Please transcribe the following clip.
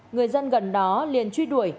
người dân gần đó liền truy đuổi